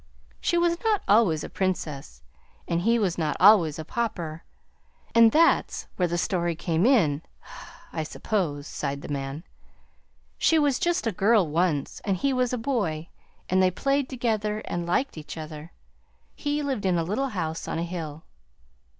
"She was not always a Princess, and he was not always a Pauper, and that's where the story came in, I suppose," sighed the man. "She was just a girl, once, and he was a boy; and they played together and liked each other. He lived in a little house on a hill."